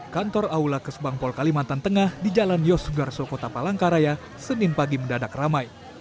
kantor aula kesbangpol kalimantan tengah di jalan yosugarsokota palangkaraya senin pagi mendadak ramai